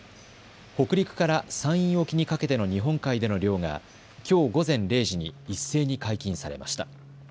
北陸から山陰沖にかけての日本海での漁がきょう午前０時に一斉に解禁されました。